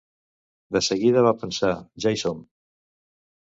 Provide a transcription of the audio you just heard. De seguida vaig pensar: Ja hi som!